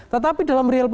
tetapi dalam real